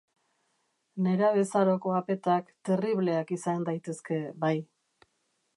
Nerabezaroko apetak terribleak izan daitezke, bai.